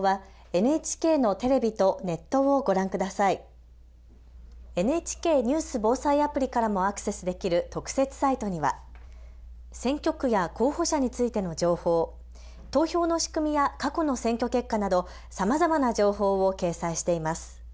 ＮＨＫニュース・防災アプリからもアクセスできる特設サイトには、選挙区や候補者についての情報、投票の仕組みや過去の選挙結果など、さまざまな情報を掲載しています。